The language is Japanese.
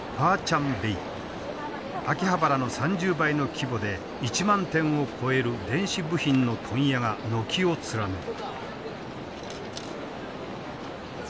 秋葉原の３０倍の規模で１万点を超える電子部品の問屋が軒を連ねる。